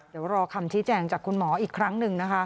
เดี๋ยวรอคำชี้แจงจากคุณหมออีกครั้งหนึ่งนะคะ